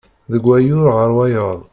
Deg wayyur ɣer wayeḍ.